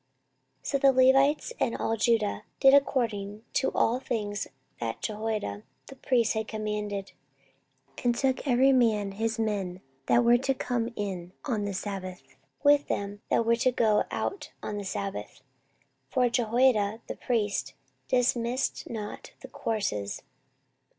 14:023:008 So the Levites and all Judah did according to all things that Jehoiada the priest had commanded, and took every man his men that were to come in on the sabbath, with them that were to go out on the sabbath: for Jehoiada the priest dismissed not the courses.